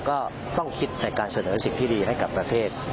ก็ต้องคิดในการเสนอสิ่งที่ดีให้กับประเทศ